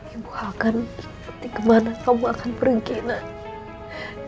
ibu akan ikuti kemana kamu akan pergi nay